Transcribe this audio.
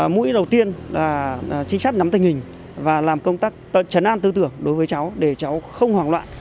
mũi đầu tiên là trinh sát nắm tình hình và làm công tác chấn an tư tưởng đối với cháu để cháu không hoảng loạn